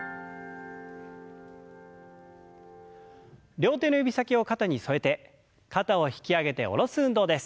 両手の指先を肩に添えて肩を引き上げて下ろす運動です。